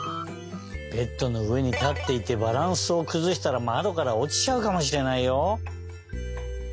ベッドのうえにたっていてバランスをくずしたらまどからおちちゃうかもしれないよ。